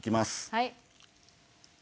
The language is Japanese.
はい。